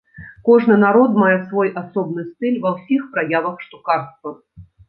Кожны народ мае свой асобны стыль ва ўсіх праявах штукарства.